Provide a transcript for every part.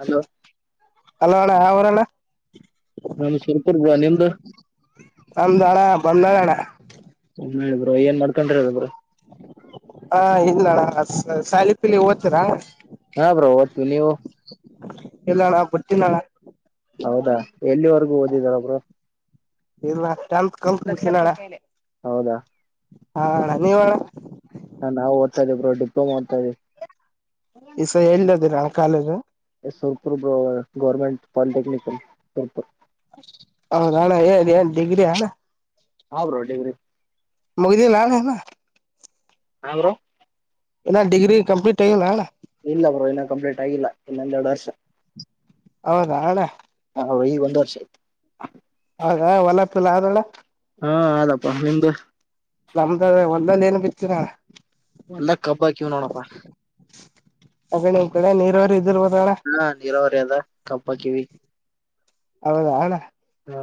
Hello hello ಅಣ್ಣ ಆಮರಣ ನಮ ಶಿರಪುರಗ ನಿಮ್ದು ಅಂದನಾ ಬಂದಳಣ ಇಲ್ಲ ಬ್ರೋ ಏನ್ ಮಾಡ್ಕೊಂಡ್ರಿರಬ್ರ ಹ ಇಲ್ಲಣ ಶಾಲಿ ಪಲಿ ಓತೀರಾ ಹಾ ಬ್ರೋ ಒತು ನೀವು ಇಲ್ಲನ ಬಿಟ್ಟಿಲನ ಹೌದಾ ಎಲ್ಲಿವರೆಗೂ ಓದಿರೊಬ್ರು ಇಲ್ಲ ಟೆಂತ್ ಕಲ್ಲ ಕಟ್ಟಿಸಿನ ಅನ ಹೌದಾ. ಹ ಅನಾ ನೀವನ ನಾ ಓದ್ತ ಇದ್ದವ ಬ್ರೋ ಡಿಪ್ಲೋಮ ಓದತ ಇದವಿ. ಈಸ ಎಲ್ಲದಿರ ಕಾಲೇಜು ಸುರ್ಪುರ್ ಬ ಗೌರ್ಮೆಂಟ್ ಪಾಲಿಟೆಕ್ನಿಕ್ ಸುರ್ಪುರ್ ಹೌದಣ್ಣ ಏನ್ ಏನ್ ಡಿಗ್ರಿಯ ಹಾ ಬ್ರೋ ಡಿಗ್ರಿ ಮಗದಿಲ್ಲ ಅನಾ ಇನ ಹ ಬ್ರೋ ಇನ ಡಿಗ್ರಿ ಕಂಪ್ಲೀಟ್ ಆಗಿಲ್ಲ ಅನಾ ಇಲ್ಲ ಬ್ರೋ ಇನ್ನ ಕಂಪ್ಲೀಟ್ ಆಗಿಲ್ಲ ಇನ್ನೊಂದೆರಡ ವರ್ಷ ಹೌದಾ ಅನಾ ಹ ಈಗ ಒಂದ ವರ್ಷ ಆಗ ಹೊಲಪಲ್ಲ ಆದಳ ಹಾ ಆದಪ್ಪಾ ನಿಮ್ದ ನಮ್ದ ಒಂದಲ್ಲಿ ಏನ್ ಬಿತ್ತಲಾ ಎಲ್ಲ ಕಬ್ಬ ಆಕಿವ ನೋಡಪ್ಪಾ ಅಗ ನಿಮ್ಮ ಕಡೆ ನೀರವರೀ ಇದಿರ್ಬೋದನ ಹಾ ನೀರಾವರಿ ಅದ ಕಬ್ಬ ಹಾಕಿವಿ. ಹೌದಾ ಅಣ್ಣಾ. ಹಾ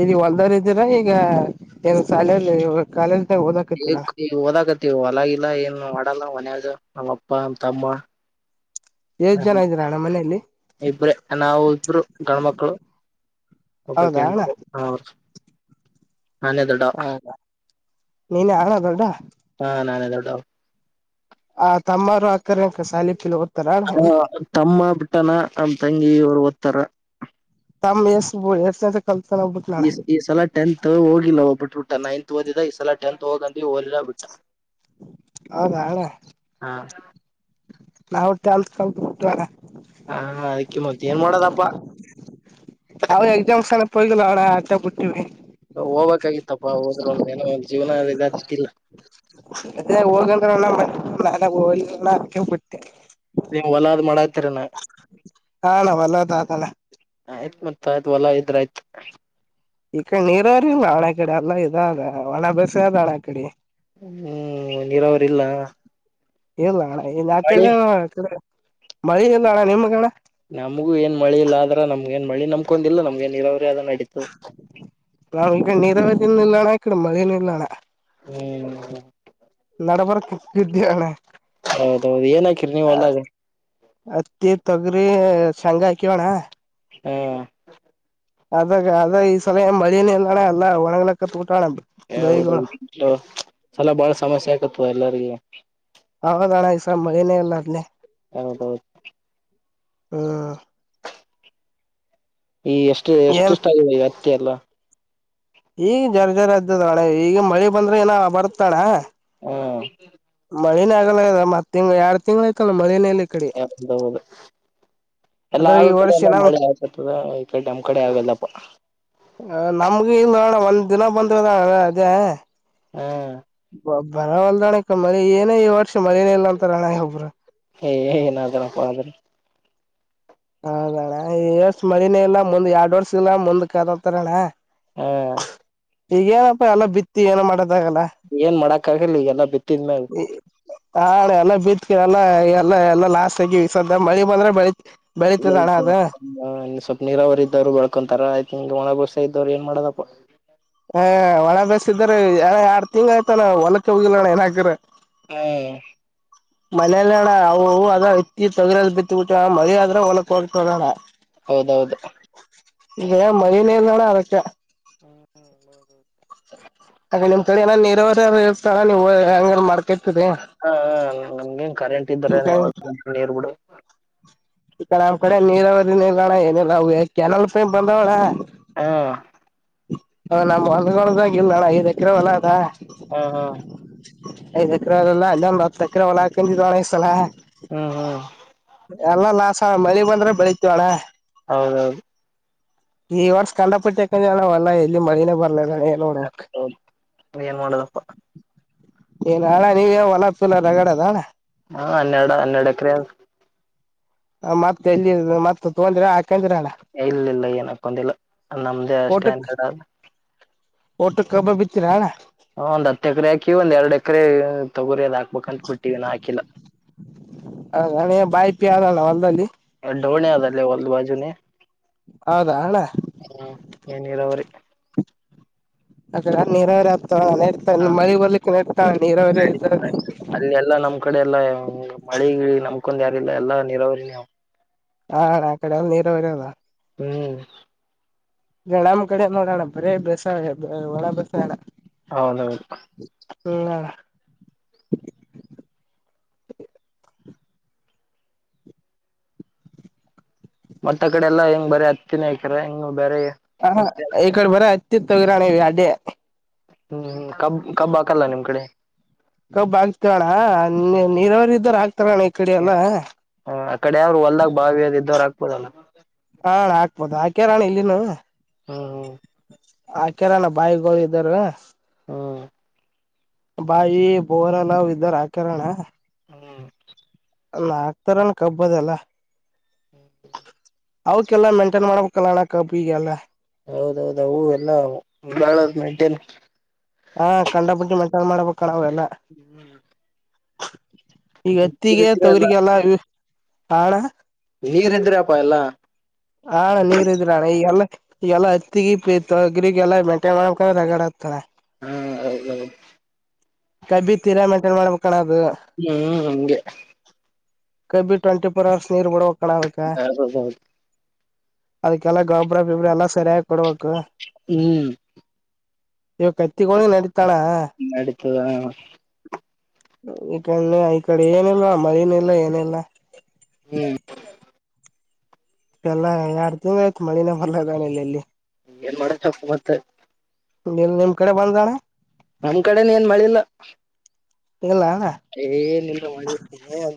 ಈರಿ ಹೊಲ್ದರ ಇದ್ದೀರಾ ಈಗ ಏನ್ ಸಾಲ್ಯಾಗ ಇವಾಗ್. ಕಾಲೇಜದಾಗ ಈಗ ಓದಾಕತ್ತಿರಾ. ಈಗ ಓದಾಕತ್ತಿವಿ ಹೊಲಇಲ್ಲಾ ಏನು ಮಾಡಲ್ಲಾ ಮನ್ಯಾಗ ನಮ್ಮ ಅಪ್ಪ ನಮ್ಮ ತಮ್ಮ. ಎಷ್ಟ್ ಹ ಜನ ಇದ್ದೀರ ಅಣ್ಣ ಮನೆಯಲ್ಲಿ ಇಬ್ರೆ ನಾವು ಇಬ್ರು ಗಂಡ್ಮಕ್ಳು. ಒಬ್ಬಕಿ ಹೌದಾ ಅಣ್ಣ ಹೆಣ್ಮಗಳು. ಹೌದು ನಾನೆ ದೊಡ್ಡವಾ. ಹೌದಾ ನೀನೇ ಅಣ್ಣ ದೊಡ್ಡ ಹಾ ನಾನೇ ದೊಡ್ಡವ್. ಆ ತಮ್ಮರು ಅಕ್ಕಾರು ಎಂಕ ಸಾಲಿಕಲಿ ಹೂ ಹು ತಮ್ಮ ಬಿಟ್ಟಾನ ನಮ್ಮ ತಂಗಿ ಅವರು ಓದ್ತಾರ. ತಮ್ಮ ಎಷ್ಟು ಬೋಳ ಎಷ್ಟತ. ಕಲ್ತಾನವಾ. ಈ ಈ ಸಲಾ ಟೆಂತ್ ಹೋಗಿಲ್ಲಾ ಹೋಗ್ಬಿಟ್ಟಬಿಟ್ಟಾ ನೈನ್ತ್ ಓದಿದ ಈ ಸಲಾ ಟೆಂತ್ ಹೋಗಂದವಿ ಹೋಗ್ಲಿಲ್ಲಾ. ಹೌದಾ ಅಣ್ಣಾ. ಹಾ ನಾವು ಟೆಂತ್ ಕಲ್ತ ಬಿಟ್ಟಿವಿ ಅಣ್ಣಾ. ಹಾ ಅದಕ್ಕೆ ಮತ್ತ ಏನ್ ಮಾಡೋದಪ್ಪಾ. ಅವ ಎಕ್ಸಾಮಸೆಲ್ಲಾ ಪೈಲುಅಣ್ಣಾ ಅದಕ್ಕ ಬಿಟ್ಟೇವಿ. ಹೋಗ್ಬೇಕಾಗಿತ್ತಪ್ಪಾ ಹೋದ್ರ ಒಂದ್ ಏನೋ ಒಂದು ಜೀವನಾ ಇದ ಆಕಿತ್ತಿಲ್ಲ. ಆದ್ರೆ ಹೋಗಂದ್ರಣ್ಣಾ ನಾನೆ ಹೋಗ್ಲಿಲ್ಲಣ್ಣಾ ನಾನೆಬಿಟ್ಟೆ. ನೀವ ಹೊಲಾದ್ ಮಾಡಾತ್ತಿರೆನ. ಹಾ ಅಣ್ಣಾ ಹೊಲಾದಾದನ್ನಾ. ಆಯ್ತ ಮತ್ತ ಅದ ಹೊಲ ಇದ್ರ ಆಯ್ತ. ಈ ಕಡೆ ನೀರಇರ್ಲಿಲ್ಲ ಅಣ್ಣಾ ಕಡೆ ಎಲ್ಲ ಇದ ಅದ ಒಣ ಬಸಾಯ ಅದ ಅಣ್ಣಾ ಕಡೆ. ಹ್ಮ್ ನೀರಾವರಿ ಇಲ್ಲ ಇಲ್ಲ ಅಣ್ಣಾ ಮಳಿ ಹಿಂಗಆಕ್ತಿದಿಲ್ಲಣ್ಣಾ ಈಕಡೆ. ಮಳಿ ಇಲ್ಲಣ್ಣ ನಿಮ್ಗಣ್ಣ. ನಮಗು ಏನ ಮಳಿ ಇಲ್ಲಾ ಆದ್ರ ನಮ್ಗ ಏನ್ ಮಳಿ ನಂಬ್ಕೊಂಡಿಲ್ಲ ನಮ್ಮ ಏನ್ ನೀರಾವರಿ ಅದ ನಡೀತದ. ನಾವು ಈ ಕಡೆ ನೀರಾವರಿನು ಇಲ್ಲಣ್ಣಾ ಈ ಕಡೆ ಮಳಿನು ಇಲ್ಲಣ್ಣಾ. ಹು ಹು ನಡಬರ್ಕ ಇದ್ಯೆವನ್ನಾ. ಹೌದ ಹೌದ ಏನ್ ಹಾಕಿರಿ ನೀವ ಹೊಲ್ದಾಗ. ಹತ್ತಿ ತೊಗರಿ ಶೇಂಗಾ ಹಾಕೇವನ್ನಾ. ಹ ಅದ್ರಗ ಅದ ಈ ಸರೆ ಮಳಿನ ಇಲ್ಲಣ್ಣಾ ಎಲ್ಲಾ ಒಣ್ಲಕ್ಕಬಿಟ್ಟಾವಣ್ಣಾ. ಈವ್ ಹೌದ ತೊ ಅಲ್ಲಾ ಬಾಳ ಸಮಸ್ಯೆ ಆಯತಪ್ಪ ಎಲ್ಲರಿಗಿ. ಹೌದಣ್ಣ ಈಸ ಮಳಿನೇ ಇಲ್ಲ ಅಲ್ಲೆ. ಹೌದ ಹೌದ. ಹು ಈ ಎಷ್ಟು ಏನ್ ಎಷ್ಟಷ್ಟ ಆಗದ ಈ ಹತ್ತಿ ಎಲ್ಲಾ. ಈಗ ಜರ ಜರ ಹತ್ತೇತನ್ನಾ ಈಗ ಮಳಿ ಬಂದ್ರ ಏನ ಬರ್ತಣ್ಣಾ. ಹು ಮಳಿನ ಆಗಲ್ಲ ಇದ ಮತ್ತ ತಿಂಗ್ ಎರಡ್ ತಿಂಗಳ ಆಯತಲ್ಲ ಮಳಿನ ಇಲ್ಲ ಇಕಡೆ. ಹೌದ ಹೌದ ಎಲ್ಲಾ ಅದ್ರ ಈ ಆಗ ಕಡೆ ವರ್ಷ ಎಲ್ಲಾ ಏನ ಮಳಿ ಆಗ್ತತದ ಈ ಕಡೆ ನಮ್ಮ ಕಡೆ ಆಗಲ್ಲಪಾ. ಹ ನಮಗು ಇಲ್ಲ ಅಳ ಒಂದ್ ದಿನ ಬಂದ ಇದಾಳ ಅಲ್ಲ ಅದೇ. [unintelligible] ಹ. [unintelligible] ಬ ಬರವಲ್ದಾಣಕ್ಕ ಮರಿ ಏನ ಈ ವರ್ಷ ಮಳೆನೇ ಇಲ್ಲಾ ಅಂತಾರ ಅಣ್ಣ ಒಬ್ರು. [unintelligible] ಏಯ ಏನ್ ಆಗಲ್ಲಪ್ಪ ಅಂದರ್. [unintelligible] ಹೌದ ಅಣ್ಣ ಈ ವರ್ಷ ಮಳೆನೇ ಇಲ್ಲ ಮುಂದ್ ಎರಡ್ ವರ್ಷ ಇಲ್ಲ ಮುಂದಕ್ಕ ಅದವನತಾರಣ್ಣ. [unintelligible] ಹ. [unintelligible] ಈಗ ಏನಪ್ಪಾ ಎಲ್ಲಾ ಬಿತ್ತಿ ಏನೋ ಮಾಡದ ಆಗಲ್ಲ. [unintelligible] ಏನ್ ಮಾಡಕ್ ಆಗಲ್ಲ ಈಗ ಎಲ್ಲ ಬಿತ್ತಿದ್ಮೇಲೆ. [unintelligible] ಹ ಅಣ್ಣಾ ಎಲ್ಲ ಬಿತ್ತಿವಿ ಎಲ್ಲ ಎಲ್ಲ ಎಲ್ಲ ಲಾಸ್ಟ್ ಆಗಿ ವಿಸ್ದ ಮಳಿ ಬಂದ್ರೆ ಬೆಳ [unintelligible] ಸ್ವಲ್ಪ ಆ ಸ್ವಲ್ಪ್ ನೀರಾವರರಿ ಇದ್ರು ಬಳ್ಕೊಂತಾರ ಆಯ್ತ್ ಒಣಗೋಸ ಇದವ್ರು ಏನ್ ಮಾಡದಪ್ಪ. [unintelligible] ಹ ಒಣ ಬೇಸಯ ಇದ್ದರೆ ಯಾಡ ಯಾರ್ಡ್ ತಿಂಗಳ್ ಆಯ್ತಾನ್ಣ ಹೊಲಕ್ಕಕ್ಕೆ ಹೋಗಿಲ್ಲಣ್ಣ ಇನ್ ಅಗರ್. [unintelligible] ಹ. [unintelligible] ಮಲೇಲ್ಲ ಅಣ್ಣ ಅವು ಅವು ಅದ ಇತ್ತಿ ತೊಗ್ರದ ಬಿತ್ತ ಬೀಟಾ ಮಳಿ ಆದ್ರೆ ಹೊಲಕ್ ಹೋಗತ್ತದ ಅಣ್ಣಾ. [unintelligible] ಹೌದ ಹೌದ. [unintelligible] ಈಗಲೇ ಮನೀವ್ ಇಲ್ಲ ನೋಡ ಅದಕ್ಕ. [unintelligible] ಅಲ್ಲ ಅದು. [unintelligible] [inaudible] ಅದ ನಿಮ್ಮ ಕಡೆ ಏನ ನೀರಾವರಿ ಇರುತ್ತ ನೀವು ಹೋಗಿ ಹೆಂಗರ ಮಾಡಕೋತ್ತಿರಿ. [unintelligible] ಹ ಹ ನಮಗ ಏನ್ ಕರೆಂಟ್ ಇದ್ದರ ನೀರ್ ಬಿಡು. [unintelligible] ನಮ್ಮ ಕಡೆ ನೀರ ಅವಧಿ ನಿಲ್ದಾಣ ಏನೋ ಇಲ್ಲಾ ಅವು ಏ ಕೆನಲ್ ಪೈ ಬಂದವಳಾ? [unintelligible] ಹಲೋ? [unintelligible] ಹ ನಮ್ಮ ಹೊಲದೋಳದಾಗಿ ಇಲ್ಲ ಅಳ ಐದ ಎಕರೆ ಹೊಲ ಅದಾ. [unintelligible] ಹ ಹ. [unintelligible] ಐದ ಎಕರೆ ಆಗಲ್ಲ ಅಲೊಂದ್ ಹತ್ತ ಎಕರ ಹೊಲ ಹಾಕೊಂಡ ಇದು ಒನಗಸಲಾ. [unintelligible] ಹ ಹ. [unintelligible] ಎಲ್ಲಾ ಲಾಸ್ ಮಳಿ ಬಂದ್ರೆ ಬೆಳಿತೀವಿ ಅಣ್ಣ. [unintelligible] ಹೌದ ಹೌದು. [unintelligible] ಈ ವರ್ಷ ಕಂಡಾಪಟ್ಟಿ ಕಂದ್ರನಲ್ಲಾ ಹೊಲದಾಗ ಐತಿ ಮಳನೇ ಬರ್ಲದ ಏನ್. [unintelligible] ಹೌದ ಏನ್ ಮಾಡದಪ್ಪ. [unintelligible] ಈ ನೆಳಾಗ ನೀವ ಏನ್ ಹೊಲಪಿಲ್ಲ ರಗಡ ಅದ ಅಣ್ಣಾ. [unintelligible] ಹಾ ಹನ್ನೆರಡ ಹನ್ನೆರಡ ಎಕರೆ ಅದ. [unintelligible] ಮತ್ತ ಎಲ್ಲಿ ಮತ್ತ ತೊಂಗಂಡಿರಾ ಹಾಕೊಂಡಿರಾ ಅಣ್ಣ. [unintelligible] ಇಲ್ಲಿ ಇಲ್ಲ ಏನ್ ಹಾಕೊಂಡಿಲ್ಲ ನಮ್ದೇ ಅಷ್ಟೇ ಅಂದೆ ನಾ. [unintelligible] ಓಟ್ಟು ಕಬ್ಬ ಬಿತ್ತೀರಾ ಅಣ್ಣಾ. [unintelligible] ಹ ಒಂದ ಹತ್ತು ಎಕರೆ ಹಾಕಿವಿ ಒಂದ್ ಎರಡು ಎಕರೆ ತಗೋರಿ ಎಲ್ಲಾ ಹಾಕಬೇಕ್ಂತ ಬಿಟ್ಟಿವಿ ಇನ್ನ ಹಾಕಿಲ್ಲಾ. [unintelligible] ಹೌದ ಏನ್ ನೀ ಬಾಯಿ ಇಟ್ಟಿ ಅಲ್ಲ ಹೊಲದಲ್ಲಿ. [unintelligible] ಒಂದ ಡೋಣಿ ಅದ ಅಲ್ಲೇ ಹೊಲದ ಬಾಜುನೇ. [unintelligible] ಹೌದಾ ಅಣ್ಣಾ. [unintelligible] ಹೂ ಎನ್ ನೀರಾವರಿ. [unintelligible] ಅದರಾಗ ನೀರಾವರಿ ಆಗ್ತ ನೆಡ್ತಾ ಮಳಿ ಬರ್ಲಿಕ್ ನೆಡ್ತ ನೀರಾವರಿ ಇದರ. [unintelligible] ಅಲ್ಲಿ ಎಲ್ಲಾ ನಮ್ಮ ಕಡೆ ಎಲ್ಲಾ ಮಳಿ ಗಿಳಿ ನಮಕೊಂಡ್ ಯಾರ ಇಲ್ಲ ಎಲ್ಲಾ ನೀರಾವರಿ ಅವ [unintelligible] ಹಾ ಅಣ್ಣಾ ಆಕಡೆ ಎಲ್ಲ ನೀರವರಿ ಅದ್. [unintelligible] ಹೂ. [unintelligible] ನೀ ನಮ್ಮ ಕಡೆ ನೋಡ ಅಣ್ಣಾ ಬರೇ ಬೇಸಾಯ ಏ ವನ ಬೇಸಾಯ ಅಣ್ಣಾ. [unintelligible] ಹೌದ ಹೌದು. [unintelligible] ಹು ಅಣ್ಣಾ. [unintelligible] ಮತ್ತ ಅ ಕಡೆ ಎಲ್ಲಾ ಹೆಂಗ ಬರೀ ಹತ್ತಿನಕರ ಹೆಂಗ್ ಬೇರ. ಹಾ ಈ ಕಡೆ ಬರ ಅತಿ ವಿರಾಣ ಅಡ್ಡ [inaudible] ಹ್ಮ್ ಕಬ್ ಕಬ್ ಹಾಕಲ್ಲ ನಿಮ್ ಕಡೆ. ಕಬ್ ಆಗ್ತವಣ್ಣ ನೀರವರ ಇದ್ದ್ರ ಹಾಕಾತಾರಣ. ಹ ಆ ಕಡೆ ಯ್ರು ಹೊಲ್ದಾಗ ಬಾವಿಯ ಅದ ಇದವರು ಆಕ್ಬೋದಲ್ಲ. ಹಾ ಹಾಕ್ಬೋದು ಹಾಕ್ಯಾರಣ ಇಲ್ಲಿನು. ಹ್ಮ ಹ್ಮ. ಹಾಕರಾನ ಬಾವಿಗಳು ಇದ್ದರ. ಹ್ಮ್. ಬಾಯವಿ ಬೋರ್ಲ್ಲ್ ಇದ್ದರ ಹಾಕರಣ್ಣ. ಹ್ಮ್. ಹಾಕ್ತರನ ಕಬ್ಬವೇಲ್ಲಾ. ಅವಕ್ಕೆಲ್ಲ ಮೇಂಟೈನ್ ಮಾಡ್ಬೇಕಲ್ಲಣ್ಣ ಕಬ್ ಈಗೆಲ್ಲ. ಹೌದೌದ ಅವು ಎಲ್ಲ ಬಾಳದ ಮಂಟನ್. ಹಾ ಕಂಡ ಬಿಟ್ಟಿ ಮೆಂಟೇನ್ ಮಾಡ್ಬೇಕಣಾವೆಲ್ಲ. ಹ್ಮ್. ಈಗ ಹತ್ತಿಗೆ ಇದ್ರಲ್ಲ ತೊಗರಿಗೆಲ್ಲ ಇ ಹಾ ಅಣ್ಣ. ನೀರಿದ್ರೆ ಅಪ್ಪ ಎಲ್ಲಾ. ಹಾ ನೀರದಿದ್ರಣ ಈಗಲ್ಲ. ಈಲ್ಲ ಹತ್ತಿಗೆ ತೊಗ್ರಿಗೆ ಎಲ್ಲಾ ಮೆಂಟೈನ್ ಮಾಡಕಗಡ ಹಗಾರತನ್ನ. ಹ್ಮ ಹೌದೌದು. ಕಬ್ಬಿ ತೀರಾ ಮೆಂಟೈನ್ ಮಾಡ್ಬೇಕ ಕಣ ಅದು. ಹ್ಮ್ ಹಂಗೆ ಕಬಿ ಟ್ವೆಂಟಿಫೋರ್ ಹರ್ಸ್ ನೀರ್ ಬಿಡಬೇಕ ಕಣ ಅದಕ್ಕೆ. ಹೌದು ಹೌದು. ಅದಕ್ಕೆಲ್ಲಾ ಗೊಬರ ಗಿಬ್ರ ಎಲ್ಲಾ ಸರಿಯಾಗಿ ಕೊಡ್ಬೇಕು. ಹ್ಮ್. ಇವ ಕತ್ತಿಕೊಂಡಿ ನಡೀತಾನ. ನಡೀತದ. ಈ ಕ ಈ ಕಡೆ ಏನಿಲ್ಲ ಮಳಿನ ಇಲ್ಲ ಏನಿಲ್ಲ. ಹ್ಮ್ ಎಲ್ಲ ಎರಡು ತಿಂಗಳು ಆಯ್ತು ಮಳಿನ ಬಲ ಇದದಾನೆಲ್ಲ ಎಲ್ಲಿ. ಏನ್ ಮಾಡಪ್ಪ ಮತ್ತೆ. ನೀ ನಿಮ್ ನಿಮ್ಮ ಕಡೆ ಬಂದ್ ಅಣ. ನಮ್ ಕಡೆನ ಏನ್ ಮಳಿ ಇಲ್ಲಾ. ಇಲ್ಲ ಅಣ್ಣ. ಏನ ಇಲ್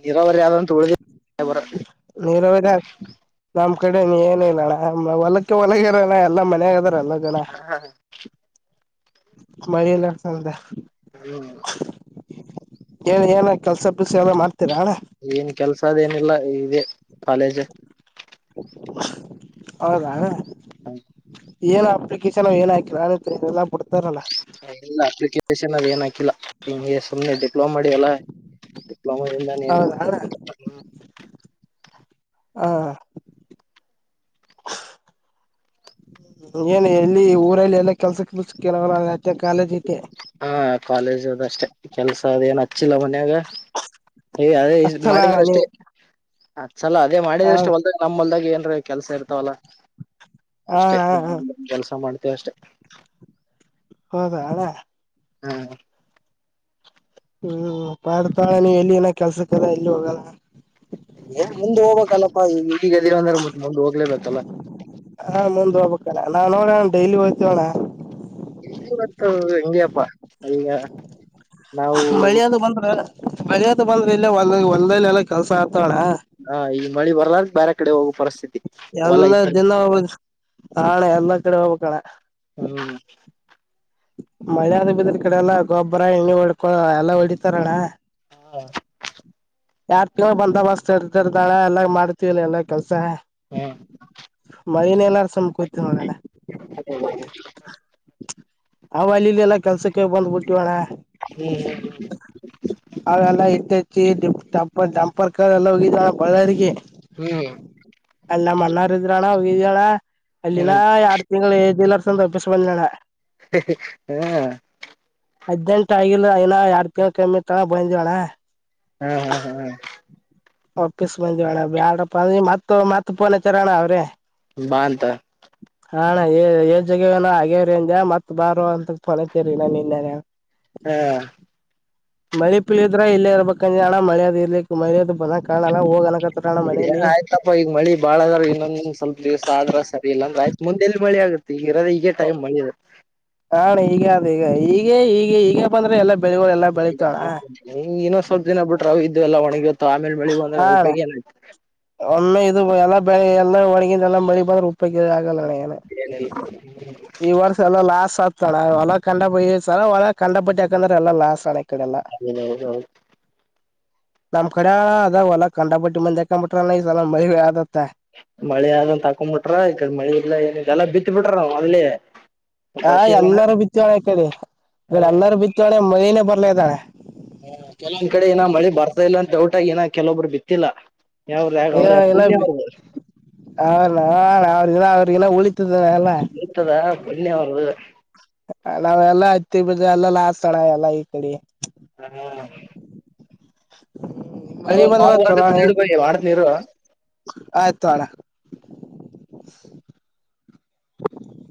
ನೀರಾವರಿ ಯಾವ್ದಂತ ಉಳಿದೆ ಬರಬರಿ. ನೀರರೊಳಗ. ನಮ್ ಕಡೆ ಏನ ಇಲ್ಲಣ್ಣ ಹೊಲಕ್ಕೆ ಹೊಲಗ ಇರಣ ಎಲ್ಲಾ ಮನೆಗದಾರ ಎಲ್ಲ ಮಳಿ ಇಲ್ಲಾ. ಹೌದ ಹ್ಮ್ ಏನ್ ಏನ ಕೆಲ್ಸ ಪೀಲ್ಸ ಎಲ್ಲ ಮಾಡ್ತೀರಾ ಅಣ. ಏನ್ ಕೆಲ್ಸ ಅದೇನಿಲ್ಲ ಇದೆ ಕಾಲೇಜ್. ಹೌದಾ ಅಣ್ಣಾ. ಹ. ಏನ್ ಅಪ್ಲಿಕೇಶನ್ ಏನ್ ಹಾಕಿನಲ್ಲ ಬಿಡ್ತಾರಲ್ಲ. ಇಲ್ಲ ಅಪ್ಲಿಕೇಶನ್ ಅ ಏನ್ ಹಾಕಿಲ್ಲ ಹಂಗೆ ಸುಮ್ಮನೆ ಇದ್ದ. ಡಿಪ್ಲೋಮ ಮಾಡ ಅಲ್ಲ ಡಿಪ್ಲೋಮಿಂದ. ಹಾ ಏನು ಎಲ್ಲಿ ಊರಲ್ಲಿ ಎಲ್ಲಾ ಕೆಲ್ಸ ಕೆಲ್ಸ ಕಾಲೇಜ್ ಇದ್ದೆ. ಹಾ ಕಾಲೇಜ್ ಅದ ಅಷ್ಟೆ ಕೆಲ್ಸ ಅದೇಏನ್ ಹಚ್ಚಿಲ್ಲ ಮನ್ಯಾಗ. ಹಾ ಅದೇ ಈಸತಿ ಹಚ್ಚಲ ಮಾಡಿದ್ರ ಅಣನಿ ಅಷ್ಟೇ. ಸಲ ಅದೇ ಹ ಮಾಡಿದ್ರಷ್ಟು ಹೊಲ್ದಾಗ ನಮ ಹೊಲ್ದಾಗ ಏನ್ ಕೆಲ್ಸ ಇರ್ತಾವಲ್ಲ ಅಷ್ಟೇ. ಹಣ ಕೆಲಸ ಮಾಡ್ತೇವಿ ಅಷ್ಟೇ. ಹೌದಾ ಅಣ್ಣ ಹಾ ಹ್ಮ್ ಪಾಡ್ತಾಳ ನೀ ಎಲ್ಲಿ ಏನ ಕೆಲ್ಸಕ್ಕರ ಎಲ್ಲಿ ಹೋಗಲ್ಲ. ಏನ್ ಮುಂದ್ ಹೋಗಬೇಕಲ್ಲಪ್ಪಾ ಈಗ ಈಗದರ ಅಂದ್ರೆ ಮತ್ತತ್ ಮುಂದ್ ಹೋಗ್ಲೇಬೇಕಲ್ಲ. ಹಾ ಮುಂದ್ ಹೋಗ್ಬೇಕಣ ನಾ ನೋಡೋಣ ಡೈಲಿ ಹೋಗ್ತವಣ. ಇವತ್ತು ಹೆಂಗಗೆಪ್ಪಾ ಈಗ. ನಾವು ಮಳಿಯದು ಬಂದ್ರ ಮಳಿಯದು ಬಂದ್ರ ಇಲ್ಲ ಒಂದ ಹೊಲದಲ್ಲಿ ಎಲ್ಲ ಕೆಲ್ಸ ಆತಣ. ಹಾ ಈ ಮಳಿ ಬರ್ಲಾರ್ರೆ ಬೇರೆ ಕಡೆ ಹೋಗುವ ಪರಿಸ್ಥಿತಿ. ಹೊಲ ಎಲ್ಲ ಇದ್ದರು ದಿನ ಹೋಗ ನಾಳೆ ಎಲ್ಲಾ ಕಡೆ ಹೋಗಬೇಕು ಅಣ್ಣ ಹ್ಮ್ ಮಳೆ ಆದ ಬಿದ್ರ ಕಡೆ ಎಲ್ಲಾ ಗೊಬ್ಬರ ಎಣ್ಣೆ ಹೊಡ್ಕೊ ಎಲ್ಲ ಹೊಡಿತಾರಣ್ಣ. [inaudible] ಯಾರ್ ಬಂದೋಬಸ್ತ್ ಇರ್ತರ್ದಾಳ ಎಲ್ಲ ಮಾಡ್ತಿವ ಎಲ್ಲ ಕೆಲ್ಸ. ಹ್ಮ್ ಮೈನ್ ಎಲ್ಲಾರು ಸಮಕೋಯ್ತ ನೋಡನೆ. ಅವ ಅಲ್ಲಿಲ್ಲಿ ಎಲ್ಲ ಕೆಲ್ಸಕ್ಕೆ ಬಂದ್ಬ ಬಿಟ್ಟಿವಳ. ಹ್ಮ್ ಅವೆಲ್ಲ ಇತ್ತ ಹೆಚ್ಚಿಂಪ ಡಂಪರ್ಕರ್ ಎಲ್ಲ ಹೋಗಿದ ಬಳ್ಳಿಗೆ. ಹ್ಮ್ ಅಲ್ಲ ನಮ್ಮ ಅಣ್ಣ ಅವ್ರು ಇದ್ರಣ ಹೋಗಿದ್ಯಣ್ಣ ಅಲ್ಲಿನ ಹ್ಮ್ ಹ್ಮ್ ಯಾರ್. ತಿಂಗಳು [unintelligible] [inaudible] ಹದ್ನೆಂಟು ಆಗಿಲ್ಲ ಏನ ಎಾರ್ಡು ತಿಂಗಗಳು ಕಮ್ಮಿ ತ ಬಂದಿವವಣ್ಣ ಹ್ಮ್ ಹ್ಮ್ ಹ್ಮ್ ಒಪ್ಪೀಸ್ ಬಂದಿವವಣ ಬ್ಯಾಡಪ್ಪ ಅ ಮತ್ತ ಮತ್ ಪೋನ್ ಹಚ್ಚಹವಾರನ್ನ ಅವ್ರೆ. ಬಾ ಅಂತ. ಹ ಏಜ್ ಜಗವೇನ ಹಾಗಗೇವರಿ ಅಜ ಮತ್ ಬಾರ ಅಂತ [unintelligible] ಹಾ ಮಳಿ ಪೀಳಿದ್ರ ಇಲ್ಲೇ ಇರ್ಬೇಕಾಣ ಮಳೆದ್ ಇರ್ಲಿಕ್ಕೆ ಮಳಿದದು ಬರಂಗಿಲ್ಲ ಕಾಣಲ್ಲ ಹೋಗ್. ಏನ್ ಆಯ್ತಪ್ಪಾ ಈಗ ಮಳಿ ಅದಾವ ಇನ್ನೊಂದ್ ಸ್ವಲ್ಪ ದಿವಸ ಆದ್ರ ಸರಿಲ್ಲ ಅಂದ್ರೆ ಆಯ್ತ್ ಮುಂದೆಲ್ಲಿ ಮಳಿ ಆಗುತ್ತೆ. ಈಗ ಇರದ ಈಗೇ ಟೈಮ್ ಮಾಡಿ. ಹ ಅಣ್ಣ ಈಗ ಅ ಈಗ ಈಗ ಈಗ ಈಗ ಬಂದ್ರೆ ಎಲ್ಲ. ಇನ್ನೊ ಸ್ವಲ್ಪ ದಿನ ಬಿಟ್ರೆವು ಇದು ಎಲ್ಲ ಒಣಗಿೋತ್ತು ಆಮೇಲೆ ಬೆಳಿ ಬಂದ್ರೆ ಹಾ ಅಣ್ಣ ಉಪಯೋಗ ಏನ. ಒಮ್ಮೆ ಇದು ಎಲ್ಲಾ ಬೆಳಿ ಎಲ್ಲಾ ಒಣಗಿಂದ ಎಲ್ಲಾ ಮಳಿ ಬಂದ್ರ ಆಗಲ್ಲನ ಐತಿ ಏನಿಲ್ಲ. ಈ ವರ್ಷ. ಎಲ್ಲ ಲಾಸ್ ಆತಣ್ಣ ಒಳ ಕಂಡ ಬಳಿ ಈಸಲ ಒಳಗ ಕಂಡಬಿಟ್ಟ ಯಾಕಂದ್ರೆ ಎಲ್ಲಾ ಲಾಸ್ ಅಣ್ಣ ಈ ಕಡೆಲ್ಲ. [inaudible] ನಮ್ ಕಡೆ ಅದಾವಲ್ಲ ಕಂಡಪಟ್ಟು ಮಂದಾಕಂಬಟ್ರ ಈಲ ಅದತ್ತ. ಮಳಿ ಆದನ್ ಅಂತಾ ಹಾಕೊಂಡ್ ಬಿಟ್ರ ಈ ಮಳಿ ಇಲ್ಲಾ ಏನ ಇಲ್ಲಾ ಬಿತ್ ಬಿಟ್ರಾ ಇಲ್ಲಿ ಆ ಎಲ್ಲಾರು ಬಿತ್ತಾಳೆ ಮಳಿನ ಬರಲ್ಲರು ಬಿತ್ತ್ಯಾರ ಮದನೇ ಬರ್ಲೇ ಆಗಿದ ಅಣ್ಣಾ. ಹ ಕೆಲೊಂದ್ ಕಡೆ ಏನ ಮಳೆ ಬರ್ತಾ ಇಲ್ಲ ಅಂತ ಡೌಟ್ಟಾಗಿ ಏನ ಕೆಲೊಬ್ರು ಬಿತ್ತಿಲ್ಲಾ ಯ ಎಲ್ಲಾ ಅವ್ರಾ ಅವ್ರ ಅವ್ರಗನ ಉಳಿತದ ಎಲ್ಲಾ ಇತದಾ ಪುಣ್ಯ ಅವರದು. ನಾವೆಲ್ಲಾ ಹತ್ತಿ ಬಿಡ ಎಲ್ಲ ಲಾಸಣ ಎಲ್ಲಾ ಈ ಕಡೆ ಹಾ ಹಾ ಹುಂ ನಂಗೊಂದು ಕಾಲ್ ಬರಕತೈತೆ ಇಡು ಬಾಯ್ ಮಾಡ್ತೀನಿ ಇರೊ ಆಯ್ತು ತೊಗೋಣಾ